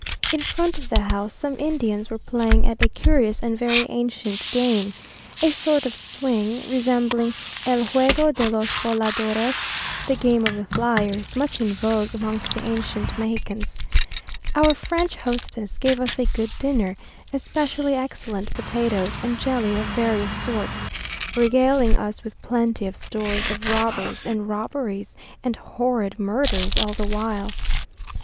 In front of the house some Indians were playing at a curious and very ancient game a sort of swing, resembling "El Juego de los Voladores," "The game of the flyers," much in vogue amongst the ancient Mexicans. Our French hostess gave us a good dinner, especially excellent potatoes, and jelly of various sorts, regaling us with plenty of stories of robbers and robberies and horrid murders all the while.